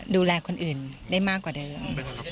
ดูแลคนอื่นได้มากกว่าเดิม